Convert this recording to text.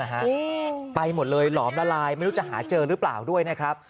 ไปหมดเลยหลอมละลายไม่รู้จะหาเจอหรือเปล่าด้วยนะครับ